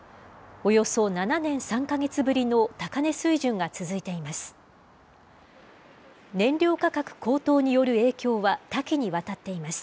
およそ７年３か月ぶりの高値水準が続いています。